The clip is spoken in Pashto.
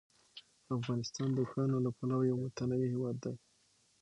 افغانستان د اوښانو له پلوه یو متنوع هېواد دی.